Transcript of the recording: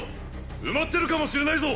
埋まってるかもしれないぞ。